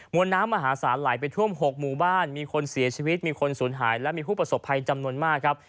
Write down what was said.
วนน้ำมหาศาลไหลไปท่วม๖หมู่บ้านมีคนเสียชีวิตมีคนสูญหายและมีผู้ประสบภัยจำนวนมากครับ